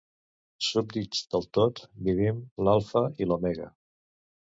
Súbdits del Tot, vivim l'alfa i l'omega.